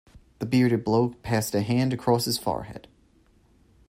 The bearded bloke passed a hand across his forehead.